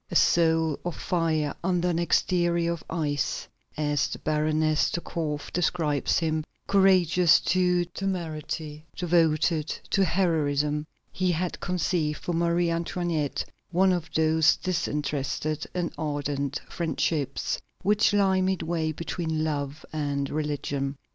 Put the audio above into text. A soul of fire under an exterior of ice, as the Baroness de Korff describes him, courageous to temerity, devoted to heroism, he had conceived for Marie Antoinette one of those disinterested and ardent friendships which lie midway between love and religion.